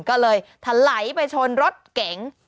ก็เลยถาไหลไปชนรถเก่ง